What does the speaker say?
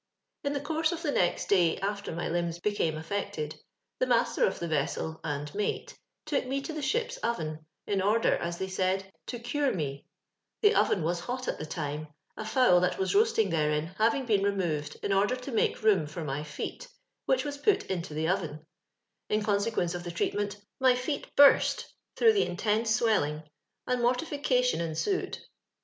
"In the course of the next day after my limbs bocamo affected, the master of tho Tcdscl, and mate, took mo to the ship's oven, in order, as thcv said, to cure me ; the oven was hot at the time, a fowl that was r«)a8tiug therein having l>cen rcmovc d in order to malco room for my fuet, which wom put into the oven ; in consoqueuco of tho treat incut, my feet burst through the intense swelling, and mortification ensued.